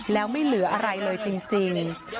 แล้วไม่เหลืออะไรเลยจริง